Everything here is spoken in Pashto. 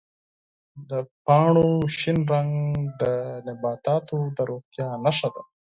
د پاڼو شین رنګ د نباتاتو د روغتیا نښه ده.